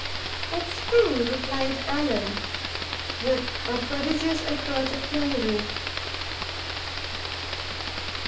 "At school!" replied Allan, with a prodigious effort of memory.